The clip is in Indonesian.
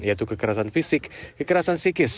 yaitu kekerasan fisik kekerasan psikis